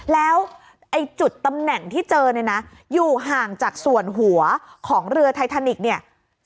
แล้วไอ้จุดตำแหน่งที่เจอเนี่ยนะอยู่ห่างจากส่วนหัวของเรือไททานิกเนี่ย